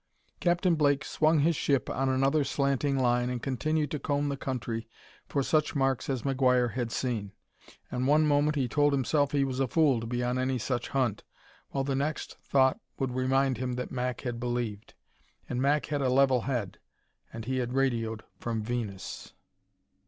Captain Blake swung his ship on another slanting line and continued to comb the country for such marks as McGuire had seen. And one moment he told himself he was a fool to be on any such hunt, while the next thought would remind him that Mac had believed. And Mac had a level head, and he had radioed from Venus!